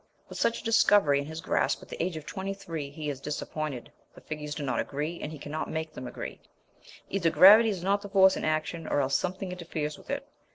With such a discovery in his grasp at the age of twenty three he is disappointed the figures do not agree, and he cannot make them agree. Either gravity is not the force in action, or else something interferes with it.